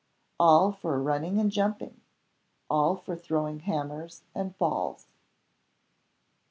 All for running and jumping all for throwing hammers and balls.